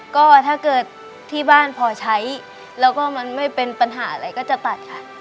ก็ถ้าเกิดที่บ้านพอใช้แล้วก็มันไม่เป็นปัญหาอะไรก็จะตัดค่ะ